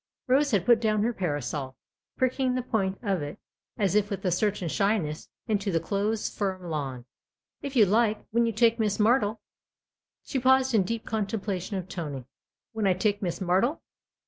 Rose had put down her parasol, pricking the point of it, as if with a certain shyness, into the close, firm lawn. " If you like, when you take Miss Martle " She paused in deep contemplation of Tony. " When I take Miss Martle